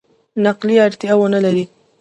نقلي اړتیا ونه لري.